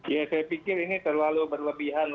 ya saya pikir ini terlalu berlebihan